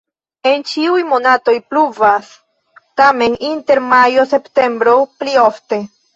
En ĉiuj monatoj pluvas, tamen inter majo-septembro pli ofte.